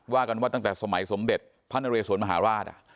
กันว่าตั้งแต่สมัยสมเด็จพระนเรสวนมหาราช